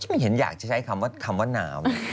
ไม่เห็นอยากจะใช้คำว่าหนาว